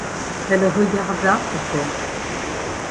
Elle regarda à terre.